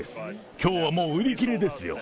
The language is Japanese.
きょうはもう、売り切れですよ。